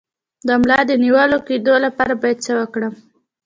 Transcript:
د ملا د نیول کیدو لپاره باید څه وکړم؟